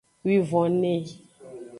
Wivonne.